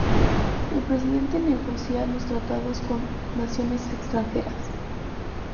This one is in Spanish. El presidente negocia los tratados con naciones extranjeras.